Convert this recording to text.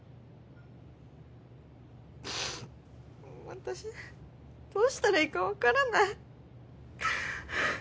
私どうしたらいいか分からない。